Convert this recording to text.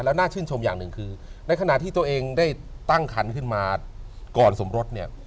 แล้วน่าชื่นชมอย่างหนึ่งคือในขณะที่ตัวเองได้ตั้งคันขึ้นมาก่อนสมรสเนี่ย